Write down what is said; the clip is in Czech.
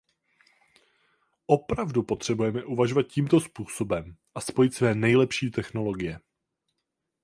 Opravdu potřebujeme uvažovat tímto způsobem a spojit své nejlepší technologie.